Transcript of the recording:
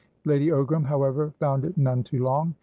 Lady Ogram, however, found it none too long.